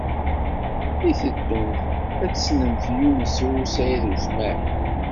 I teddumt ad d-tessnemt Yunes u Saɛid u Smaɛil?